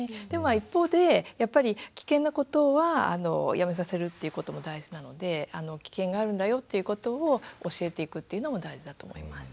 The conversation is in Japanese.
一方でやっぱり危険なことはやめさせるっていうことも大事なので危険があるんだよっていうことを教えていくっていうのも大事だと思います。